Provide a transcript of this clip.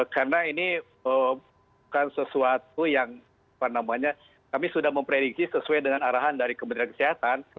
karena ini bukan sesuatu yang kami sudah memprediksi sesuai dengan arahan dari kementerian kesehatan